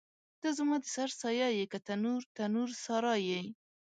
ته زما د سر سایه یې که تنور، تنور سارا یې